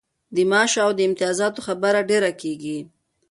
د معاش او امتیازاتو خبره ډېره کیږي.